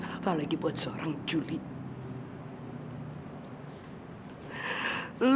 apalagi buat seorang julie